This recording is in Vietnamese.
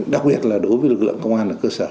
đặc biệt là đối với lực lượng công an ở cơ sở